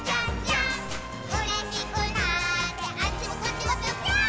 「うれしくなってあっちもこっちもぴょぴょーん」